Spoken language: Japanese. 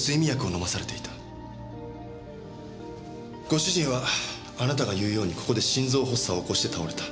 ご主人はあなたが言うようにここで心臓発作を起こして倒れた。